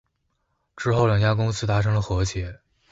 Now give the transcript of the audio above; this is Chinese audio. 之后两家公司达成了和解。